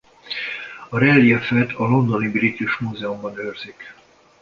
A reliefet a londoni British Museumban őrzik.